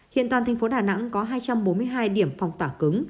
hiện toàn thành phố đà nẵng có hai trăm bốn mươi hai điểm phong tỏa cứng